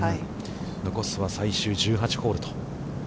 残すは最終１８番ホールと。